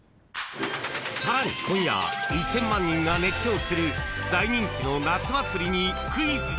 ［さらに今夜１，０００万人が熱狂する大人気の夏祭りにクイズで迫る］